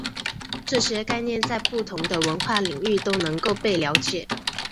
这些概念在不同的文化领域都能够被了解。